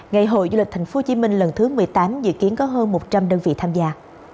ngày hội du lịch tp hcm lần thứ một mươi tám dự kiến có hơn một trăm linh đơn vị tham gia